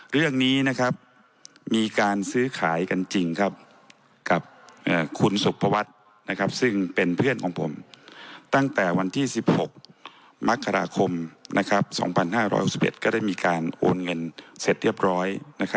เรื่องนี้มีการซื้อขายกันจริงครับกับคุณสุภวัฒน์ซึ่งเป็นเพื่อนของผมตั้งแต่วันที่๑๖มกราคม๒๕๖๑ก็ได้มีการโอนเงินเสร็จเรียบร้อย